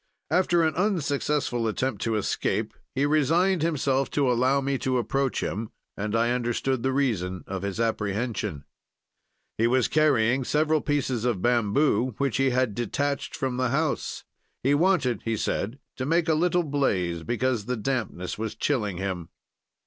"After an unsuccessful attempt to escape, he resigned himself to allow me to approach him, and I understood the reason of his apprehension: "He was carrying several pieces of bamboo which he had detached from the house. He wanted, he said, to make a little blaze because the dampness was chilling him.